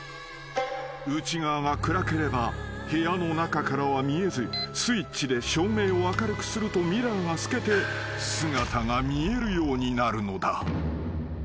［内側が暗ければ部屋の中からは見えずスイッチで照明を明るくするとミラーが透けて姿が見えるようになるのだ］